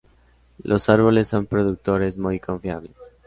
Los árboles son productores muy confiables.